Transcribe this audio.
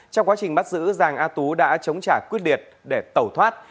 trong quá trình bắt giữ giàng a tú đã chống trả quyết liệt để tẩu thoát